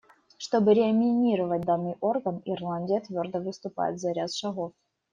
Чтобы реанимировать данный орган, Ирландия твердо выступает за ряд шагов.